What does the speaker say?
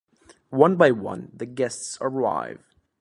One by one, the guests arrive.